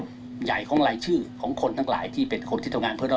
ไม่อยู่ในเครื่องไลน์ชื่อของคนทั้งหลายที่เป็นคนที่ต่างงานเพื่อน